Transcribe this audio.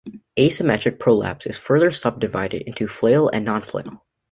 Asymmetric prolapse is further subdivided into flail and non-flail.